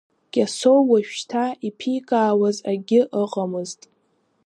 Кьасоу уажәшьҭа иԥикаауаз акгьы ыҟамызт.